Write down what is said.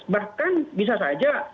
bahkan bisa saja